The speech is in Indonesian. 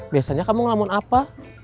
biasanya kamu ngelamun apa